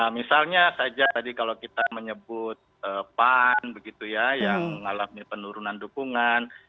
misalnya saja tadi kalau kita menyebut pan begitu ya yang mengalami penurunan dukungan